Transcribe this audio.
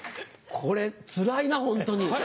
これつらいなホントに。